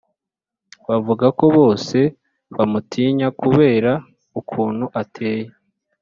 Bavuga ko bose bamutinya kubera ukuntu ateye